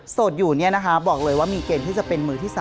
สดอยู่เนี่ยนะคะบอกเลยว่ามีเกณฑ์ที่จะเป็นมือที่๓